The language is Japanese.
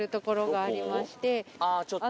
ああちょっと？